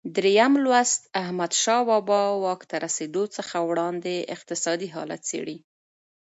درېم لوست د احمدشاه بابا واک ته رسېدو څخه وړاندې اقتصادي حالت څېړي.